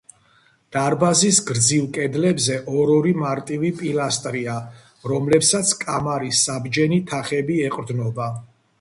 დარბაზის გრძივ კედლებზე ორ-ორი მარტივი პილასტრია, რომლებსაც კამარის საბჯენი თაღები ეყრდნობა.